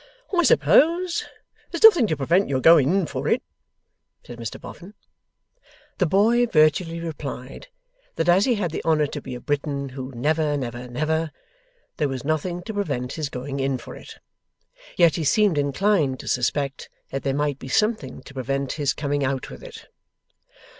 'I suppose there's nothing to prevent your going in for it?' said Mr Boffin. The boy virtually replied that as he had the honour to be a Briton who never never never, there was nothing to prevent his going in for it. Yet he seemed inclined to suspect that there might be something to prevent his coming out with it.